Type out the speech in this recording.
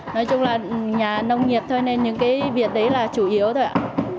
nói chung là nhà nông nghiệp thôi nên những cái việc đấy là chủ yếu thôi ạ